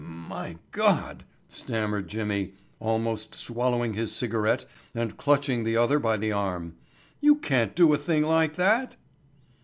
"My God," stammered Jimmy, almost swallowing his cigarette and clutching the other by the arm, "you can't do a thing like that."